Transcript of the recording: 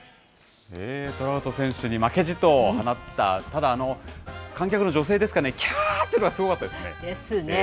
トラウト選手に負けじと放った、ただ観客の女性ですかね、きゃーっていうのがすごかったですね。